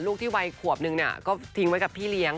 ลูกที่วัยขวบนึงเนี่ยก็ทิ้งไว้กับพี่เลี้ยง